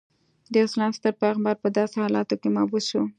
د اسلام ستر پیغمبر په داسې حالاتو کې مبعوث شو.